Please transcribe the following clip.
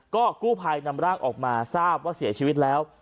ก็กู้ภัยนำร่างออกมาทราบว่าเสียชีวิตแล้ว